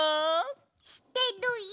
してるよ！